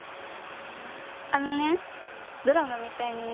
あのねドラマみたいにね